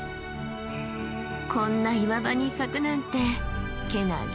こんな岩場に咲くなんてけなげ。